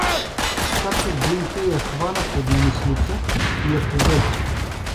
Кака Гинка я хвана под мишница и я поведе.